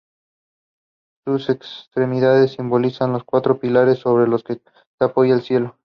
Sus extremidades simbolizaban los cuatro pilares sobre los que se apoya el cielo.